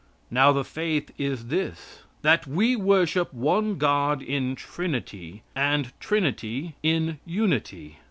Now the faith is this: "That we worship one God in trinity, and trinity in unity."